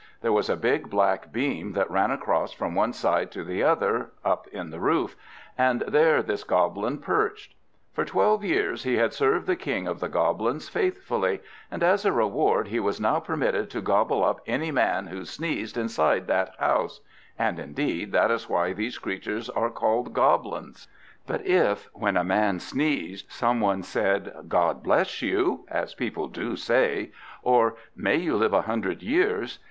There was a big black beam that ran across from one side to the other, up in the roof; and there this Goblin perched. For twelve years he had served the King of the Goblins faithfully, and as a reward he was now permitted to gobble up any man who sneezed inside that house; and, indeed, that is why these creatures are called Goblins. But if, when a man sneezed, some one else said, "God bless you!" as people do say, or "May you live a hundred years!"